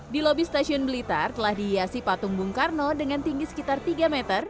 di lobi stasiun blitar telah dihiasi patung bung karno dengan tinggi sekitar tiga meter